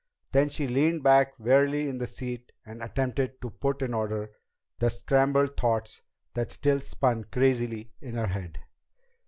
Then she leaned back wearily in the seat and attempted to put in order the scrambled thoughts that still spun crazily in her head.